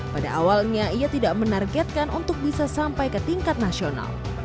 pada awalnya ia tidak menargetkan untuk bisa sampai ke tingkat nasional